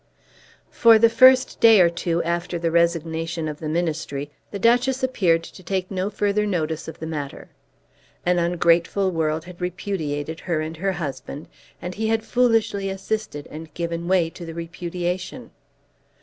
For the first day or two after the resignation of the Ministry the Duchess appeared to take no further notice of the matter. An ungrateful world had repudiated her and her husband, and he had foolishly assisted and given way to the repudiation.